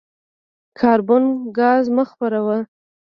کاربن ګاز مه خپروه.